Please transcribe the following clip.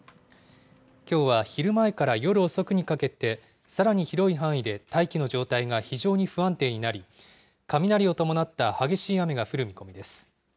きょうは昼前から夜遅くにかけて、さらに広い範囲で大気の状態が非常に不安定になり、雷を伴った激しい雨が降る見込みです。